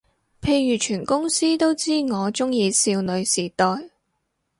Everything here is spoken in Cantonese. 譬如全公司都知我鍾意少女時代